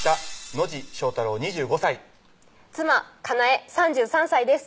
野地将太郎２５歳妻・加奈絵３３歳です